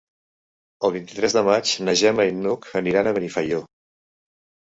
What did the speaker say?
El vint-i-tres de maig na Gemma i n'Hug aniran a Benifaió.